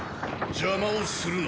邪魔をするな。